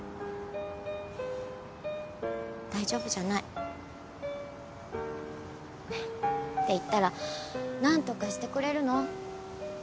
大丈夫じゃない。って言ったら何とかしてくれるの？